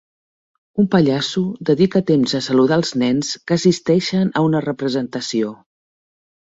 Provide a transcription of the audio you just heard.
Un pallasso dedica temps a saludar els nens que assisteixen a una representació.